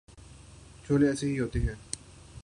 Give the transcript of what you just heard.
چولہے ایسے ہی ہوتے ہوں